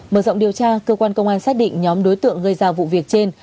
mở rộng điều tra cơ quan công an xác định nhóm đối tượng gây ra vụ việc trên